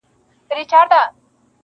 اوس په خوب کي هره شپه زه خوبان وینم-